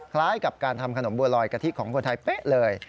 คล้ายกับการทำขนมบัวลอยกะทิของคนไทยเป๊ะเลย